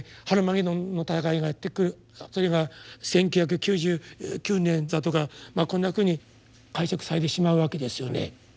「ハルマゲドンの戦い」がやって来るそれが１９９９年だとかこんなふうに解釈されてしまうわけですよね。